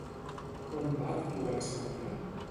Com va actuar la seva mare?